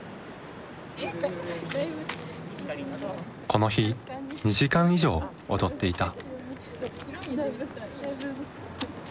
この日２時間以上踊っていた。